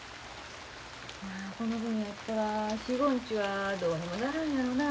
この分やったら４５日はどうにもならんやろなあ。